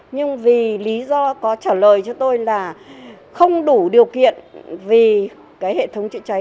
nhưng vì lý do có trả lời cho tôi là không đủ điều kiện vì cái hệ thống chữa cháy